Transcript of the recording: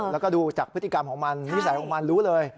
แล้วก็ดูจากพฤติกรรมของมันนิสัยของมันรู้เลย